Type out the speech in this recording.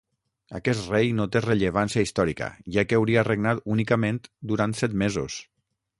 Aquest rei no té rellevància històrica, ja que hauria regnat únicament durant set mesos.